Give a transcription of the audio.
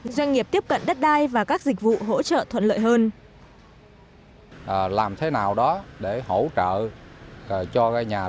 doanh nghiệp tiếp cận đất đai và các dịch vụ hỗ trợ thuận lợi hơn